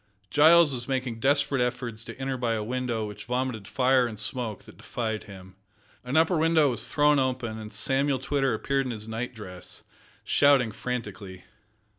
Giles was making desperate efforts to enter by a window which vomited fire and smoke that defied him. An upper window was thrown open, and Samuel Twitter appeared in his night dress, shouting frantically.